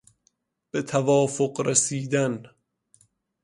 به توافق رسیدن